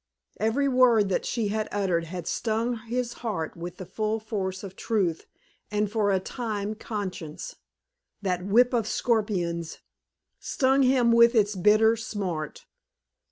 Every word that she had uttered had stung his heart with the full force of truth, and for a time conscience that whip of scorpions stung him with its bitter smart.